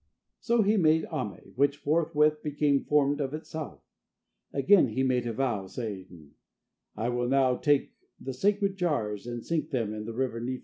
So he made Ame, which forthwith became formed of itself. Again he made a vow, saying: "I will now take the sacred jars and sink them in the River Nifu.